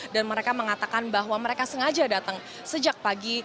dan mereka mengatakan bahwa mereka sengaja datang sejak pagi